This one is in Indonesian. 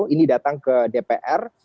ini datang ke dpr